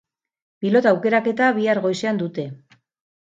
Pilota aukeraketa bihar goizean dute.